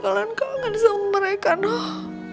gimana caranya mama pengen sama mereka loh